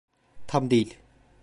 Tam değil.